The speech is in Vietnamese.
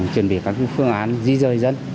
chuẩn bị các phương án di rơi dân